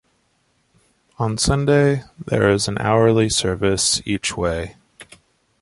On Sunday, there is an hourly service each way.